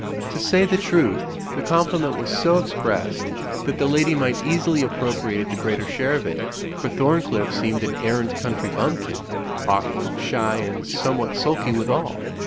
To say the truth, the compliment was so expressed, that the lady might easily appropriate the greater share of it, for Thorncliff seemed an arrant country bumpkin, awkward, shy, and somewhat sulky withal.